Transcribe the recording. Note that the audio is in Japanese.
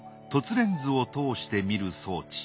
レンズを通して見る装置